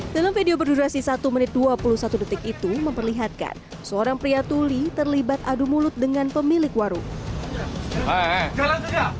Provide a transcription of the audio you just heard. dalam video berdurasi satu menit dua puluh satu detik itu memperlihatkan seorang pria tuli terlibat adu mulut dengan pemilik warung